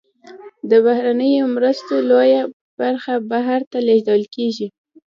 د بهرنیو مرستو لویه برخه بهر ته لیږدول کیږي.